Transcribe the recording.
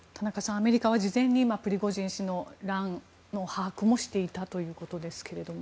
アメリカは事前にプリゴジン氏の乱の把握をしていたということですが。